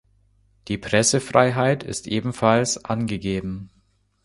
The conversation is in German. Die Pressefreiheit ist ebenfalls angegeben.